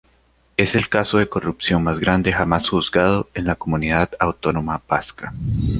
Es el caso de corrupción más grande jamás juzgado en la Comunidad Autónoma Vasca.